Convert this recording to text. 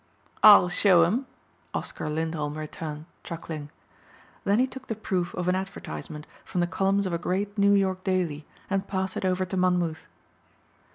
"I'll show 'em," Oscar Lindholm returned chuckling. Then he took the proof of an advertisement from the columns of a great New York daily and passed it over to Monmouth.